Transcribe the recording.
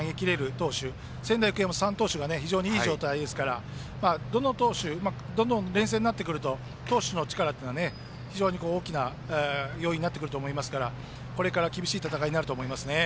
投手で仙台育英も３投手が非常にいい状態ですからどんどん連戦になってくると投手の力は非常に大きな要因になってくると思いますからこれから厳しい戦いになると思いますね。